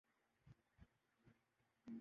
سنیل گواسکر کی یہ